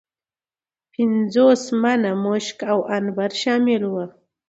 پنځوس منه مشک او عنبر شامل وه.